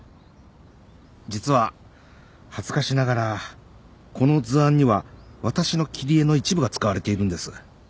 実は恥ずかしながらこの図案には私の切り絵の一部が使われているんです。